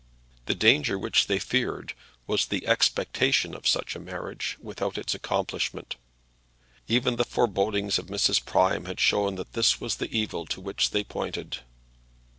The danger which they feared was the expectation of such a marriage without its accomplishment. Even the forebodings of Mrs. Prime had shown that this was the evil to which they pointed.